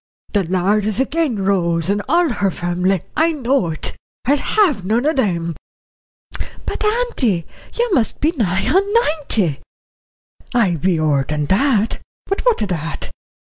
The Lord is agin Rose and all her family, I know it. I'll have none of them." "But, auntie, you must be nigh on ninety." "I be ower that. But what o' that?